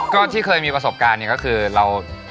ก็ที่เคยมีประสบการณ์เนี่ยก็คือเรา